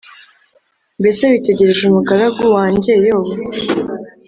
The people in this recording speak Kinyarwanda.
Mbese witegereje umugaragu wanjye Yobu